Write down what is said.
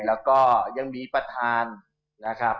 แล้วก็ยังมีประธานนะครับ